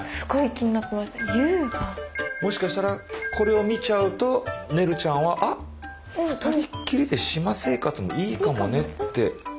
もしかしたらこれを見ちゃうとねるちゃんはあ２人きりで島生活もいいかもねってなるのかなと思って。